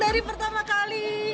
dari pertama kali